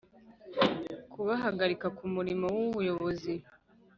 kubahagarika ku murimo w ubuyobozi